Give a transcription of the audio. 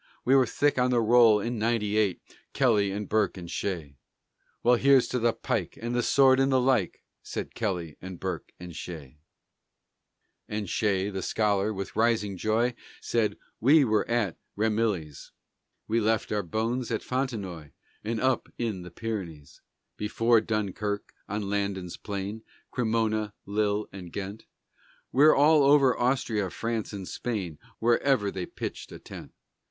We were thick on the roll in ninety eight Kelly and Burke and Shea." "Well, here's to the pike and the sword and the like!" Said Kelly and Burke and Shea. And Shea, the scholar, with rising joy, Said, "We were at Ramillies; We left our bones at Fontenoy And up in the Pyrenees; Before Dunkirk, on Landen's plain, Cremona, Lille, and Ghent; We're all over Austria, France, and Spain, Wherever they pitched a tent.